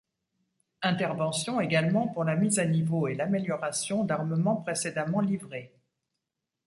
Intervention également pour la mise à niveau et l'amélioration d'armements précédemment livrés.